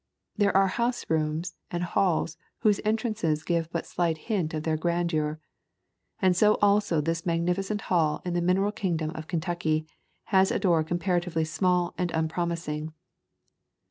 There are house rooms and halls whose entrances give but slight hint of their grandeur. And so also this magnificent hall in the mineral kingdom of Kentucky has a door comparatively small and unpromising.